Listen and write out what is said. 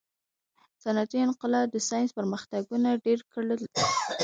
• صنعتي انقلاب د ساینس پرمختګونه ډېر کړل.